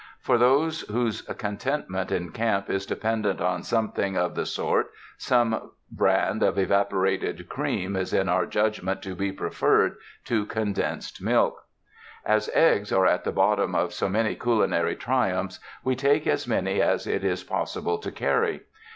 For those whose content ment in camp is dependent on something of the sort, some brand of evaporated cream is in our judgment to be preferred to condensed milk. As eggs are at the bottom of so many culinary triumphs, we take as many as it is possible to carry.